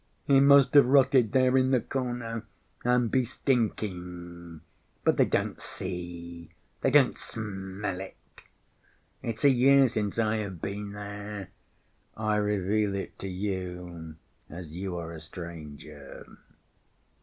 He must have rotted there in the corner and be stinking, but they don't see, they don't smell it. It's a year since I have been there. I reveal it to you, as you are a stranger."